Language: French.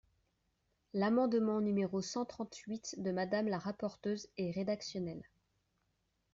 L’amendement numéro cent trente-huit de Madame la rapporteure est rédactionnel.